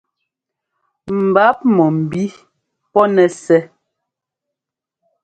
Mbǎp mɔ̂mbí pɔ́ nɛ́ sɛ́.